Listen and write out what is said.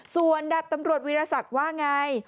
ส่วนดาบตำรวจวีรศักดิ์ว่าไง